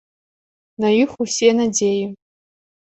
На іх усе надзеі.